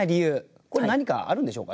これ何かあるんでしょうかね。